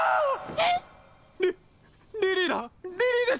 えっ？